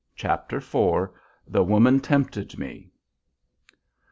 CHAPTER IV. "THE WOMAN TEMPTED ME."